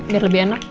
biar lebih enak